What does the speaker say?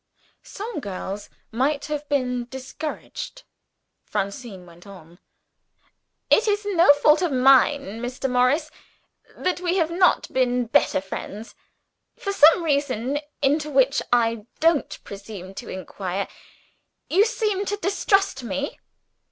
Some girls might have been discouraged. Francine went on. "It is no fault of mine, Mr. Morris, that we have not been better friends. For some reason, into which I don't presume to inquire, you seem to distrust me.